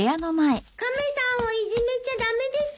・亀さんをいじめちゃ駄目です。